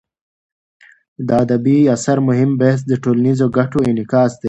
د ادبي اثر مهم بحث د ټولنیزو ګټو انعکاس دی.